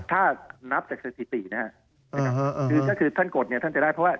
ถ้านับจากสถิตินะครับคือก็คือท่านกดเนี่ยท่านจะได้เพราะว่า